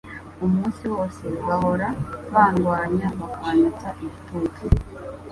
umunsi wose bahora bandwanya bakanyotsa igitutu